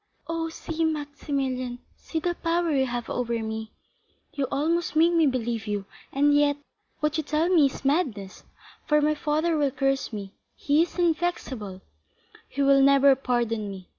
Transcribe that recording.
"Oh, see, Maximilian, see the power you have over me, you almost make me believe you; and yet, what you tell me is madness, for my father will curse me—he is inflexible—he will never pardon me.